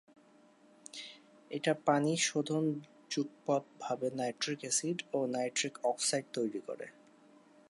এটা পানি শোষণ যুগপৎ ভাবে নাইট্রিক এসিড ও নাইট্রিক অক্সাইড তৈরি করে।